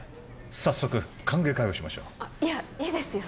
早速歓迎会をしましょういやいいですよ